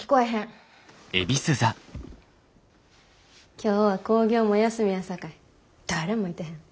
今日は興行も休みやさかい誰もいてへん。